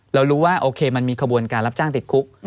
เรารู้ว่าโอเคมันมีขบวนการรับจ้างติดคุก